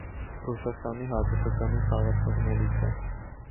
Ռուսաստանի հավաքականի խաղացողներից է։